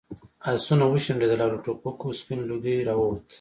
آسونه وشڼېدل او له ټوپکو سپین لوګی راووت.